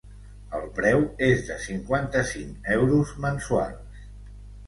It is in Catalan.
El preu és de cinquanta-cinc euros mensuals.